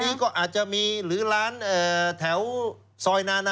อันนี้ก็อาจจะมีหรือร้านแถวซอยนานา